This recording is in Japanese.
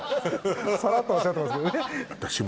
さらっとおっしゃってますけどね。